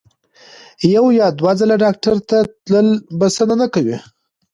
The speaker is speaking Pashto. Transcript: یو یا دوه ځله ډاکټر ته تلل بسنه نه کوي.